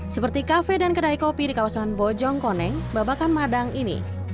seperti kafe dan kedai kopi di kawasan bojong koneng babakan madang ini